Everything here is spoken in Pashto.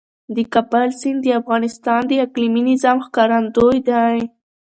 د کابل سیند د افغانستان د اقلیمي نظام ښکارندوی دی.